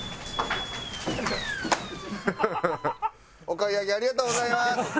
お買い上げありがとうございます。